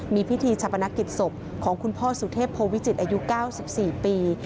มีพิธีชาปนกิจศพของคุณพ่อสุเทพโพวิจิตรอายุ๙๔ปี